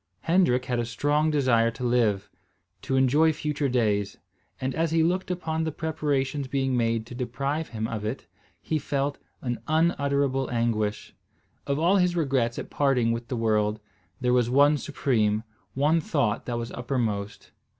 Hendrik had a strong desire to live, to enjoy future days; and, as he looked upon the preparations being made to deprive him of it, he felt an unutterable anguish. Of all his regrets at parting with the world, there was one supreme, one thought that was uppermost.